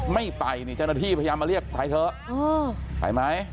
ไม่ไปนี่เจ้าหน้าที่พยายามมาเรียกไปเถอะไปไหม